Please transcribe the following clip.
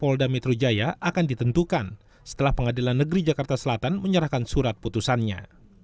polda metro jaya akan ditentukan setelah pengadilan negeri jakarta selatan menyerahkan surat putusannya